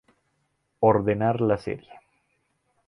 Ordenar la serie.